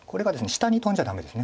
下にトンじゃダメです。